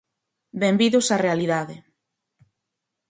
¡Benvidos á realidade!